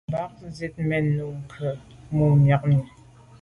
Mba zit mèn no nke mbù’ miag mi.